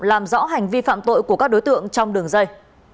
làm rõ hành vi phạm tội của các đối tượng trong đường dây